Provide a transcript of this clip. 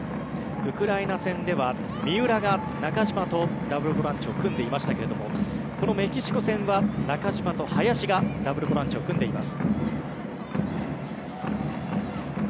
ウクライナ戦では三浦が中島とダブルボランチを組んでいましたがこのメキシコ戦は中島と林がダブルボランチを組んでいます。